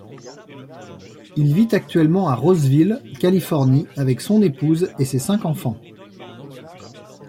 Il vit actuellement à Roseville, Californie, avec son épouse et ses cinq enfants.